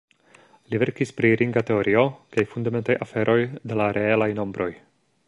Li verkis pri ringa teorio kaj fundamentaj aferoj de la reelaj nombroj.